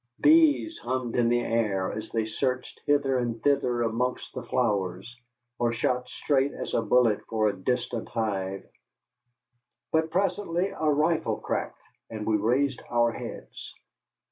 Bees hummed in the air as they searched hither and thither amongst the flowers, or shot straight as a bullet for a distant hive. But presently a rifle cracked, and we raised our heads.